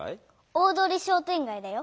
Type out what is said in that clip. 大通りしょうてんがいだよ。